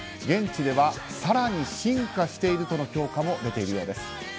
現地では更に進化しているとの評価も出ているようです。